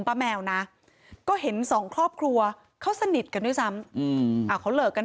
แมวนะก็เห็นสองครอบครัวเขาสนิทกันด้วยซ้ำเขาเลิกกัน